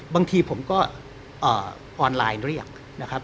บางทีผมก็ออนไลน์เรียกนะครับ